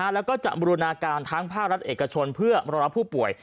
แล้วก็จะบูรณาการทั้งภาครัฐเอกชนเพื่อรอรับผู้ป่วย